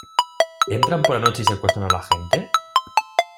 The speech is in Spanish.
¿ entran por la noche y secuestran a la gente?